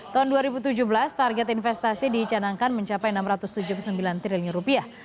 tahun dua ribu tujuh belas target investasi dicanangkan mencapai enam ratus tujuh puluh sembilan triliun rupiah